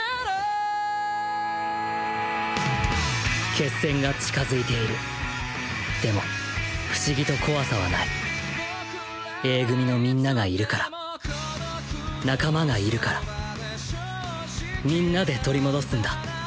決戦が近づいているでも不思議と怖さはないＡ組の皆がいるから仲間がいるから皆で取り戻すんだ。